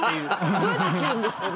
どうやって切るんですかね？